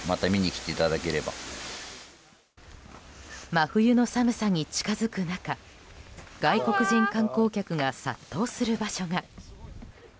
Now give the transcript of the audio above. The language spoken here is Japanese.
真冬の寒さに近づく中外国人観光客が殺到する場所が。